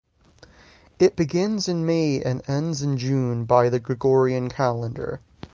It begins in May and ends in June by the Gregorian calendar.